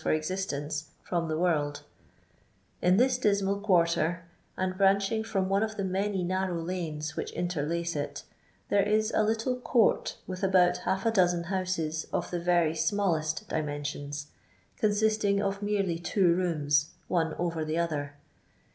for existence from the world,— in thii dismal quarter, and branching from one of the many narrow lanes which interlace it, there is a little court with about luilf o dozcn houses of the very smallest dimensions, consisting of merely two rooms, one over the other.